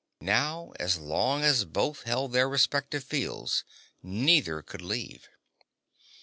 Now, as long as both held their respective fields, neither could leave.